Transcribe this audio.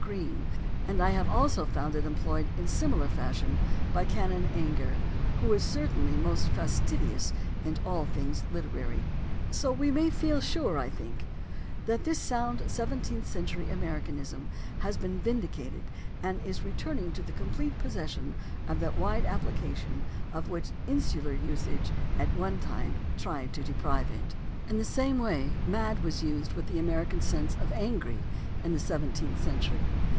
Green (p. 22), and I have also found it employed in similar fashion by Canon Ainger (Life, p. 142), who was certainly most fastidious in all things literary. So we may feel sure, I think, that this sound seventeenth century "Amer icanism" has been vindicated and is returning to the complete possession of that wide application of which insular usage tried at one time to deprive it. THE ORIGIN OF CERTAIN AMERICANISMS 255 In the same way "mad" was used with the Amer ican sense of "angry" in the seventeenth century.